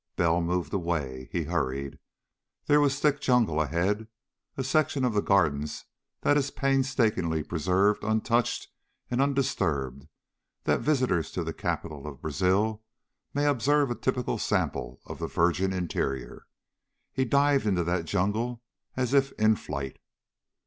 Bell moved away. He hurried. There was thick jungle ahead, a section of the Gardens that is painstakingly preserved untouched and undisturbed, that visitors to the capital of Brazil may observe a typical sample of the virgin interior. He dived into that jungle as if in flight.